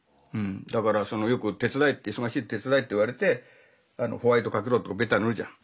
だからよく手伝えって「忙しい手伝え」って言われて「ホワイトかけろ」とかベタ塗るじゃん。